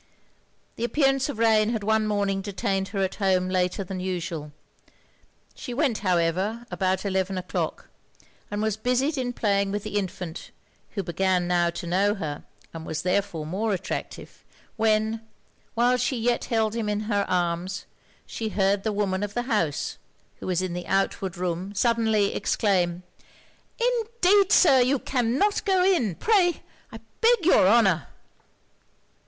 The appearance of rain had one morning detained her at home later than usual. She went, however, about eleven o'clock; and was busied in playing with the infant, who began now to know her, and was therefore more attractive, when, while she yet held him in her arms, she heard the woman of the house, who was in the outward room, suddenly exclaim 'Indeed Sir you cannot go in pray I beg your honour!'